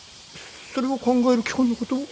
それを考える期間のことを。